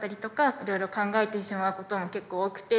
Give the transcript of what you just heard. いろいろ考えてしまうことも結構多くて。